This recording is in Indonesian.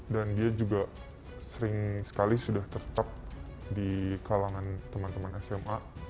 dia juga sering sekali sudah tetap di kalangan teman teman sma